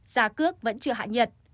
giá cước vẫn chưa hạ nhật